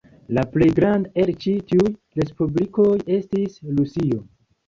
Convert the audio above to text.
La plej granda el ĉi tiuj respublikoj estis Rusio.